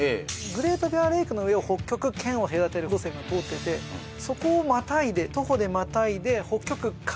グレートベアレイクの上を北極圏を隔てる線が通っててそこをまたいで徒歩でまたいで北極海